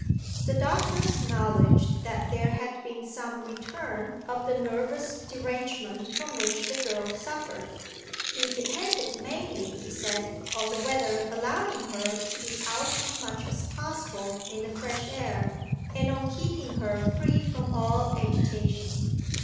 The doctor acknowledged that there had been some return of the nervous derangement from which the girl suffered. He depended mainly (he said) on the weather allowing her to be out as much as possible in the fresh air, and on keeping her free from all agitation.